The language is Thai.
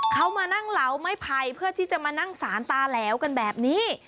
เขามานั่งเหลาไม่ไผ่เพื่อที่จะมานั่งสารตาแหลวกันแบบนี้